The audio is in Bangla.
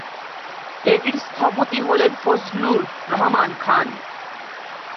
এটির স্থপতি হলেন ফজলুর রহমান খান।